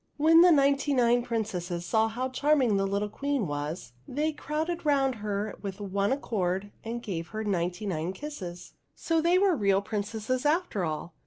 When the ninety nine princesses saw how charming the little Queen was, they crowded round her with one accord and gave her ninety nine kisses. So they were real prin cesses, after all